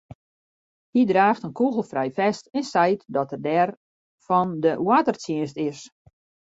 Hy draacht in kûgelfrij fest en seit dat er fan de oardertsjinst is.